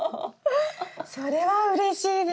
それはうれしいです。